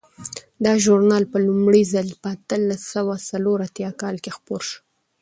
دا ژورنال په لومړي ځل په اتلس سوه څلور اتیا کال کې خپور شو.